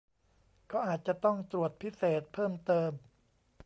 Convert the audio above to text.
ก็อาจจะต้องตรวจพิเศษเพิ่มเติม